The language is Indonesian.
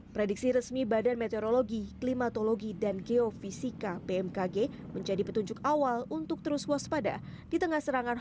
prediksi resmi badan meteorologi klimatologi dan geofisika pmkg menjadi petunjuk awal untuk terus waspada